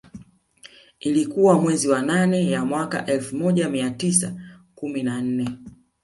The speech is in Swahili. Ilikuwa mwezi wa nane ya mwaka wa elfu moja mia tisa kumi na nne